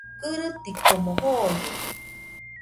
Kɨrɨtikomo joone